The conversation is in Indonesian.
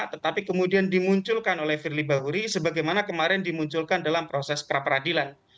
tetapi kemudian dimunculkan oleh firly bahuri sebagaimana kemarin dimunculkan dalam proses pra peradilan